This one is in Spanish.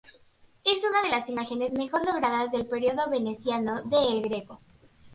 Es una de las imágenes mejor logradas del período veneciano de El Greco.